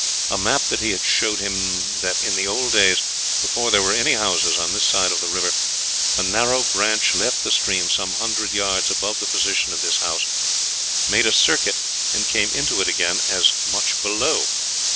A map that he had showed him that in the old days, before there were any houses on this side of the river, a narrow branch left the stream some hundred yards above the position of his house, made a circuit and came into it again as much below.